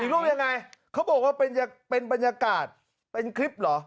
ลูกยังไงเขาบอกว่าเป็นบรรยากาศเป็นคลิปเหรอ